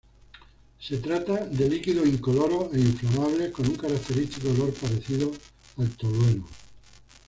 Se trata de líquidos incoloros e inflamables con un característico olor parecido al tolueno.